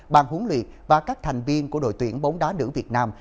bàn huấn luyện và các thành viên của đội tuyển bóng đá nữ việt nam